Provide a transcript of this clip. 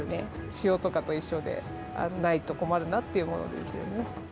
塩とかと一緒で、ないと困るなっていうものですよね。